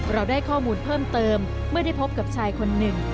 เราได้ข้อมูลเพิ่มเติมเมื่อได้พบกับชายคนหนึ่ง